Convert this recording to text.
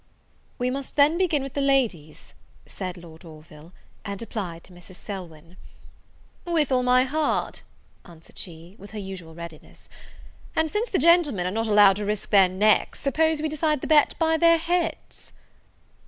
"We must then begin with the ladies," said Lord Orville; and applied to Mrs. Selwyn. "With all my heart," answered she, with her usual readiness; "and, since the gentlemen are not allowed to risk their necks, suppose we decide the bet by their heads?"